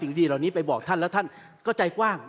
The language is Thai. พี่ไปบอกท่านแล้วท่านก็ใจกว้าง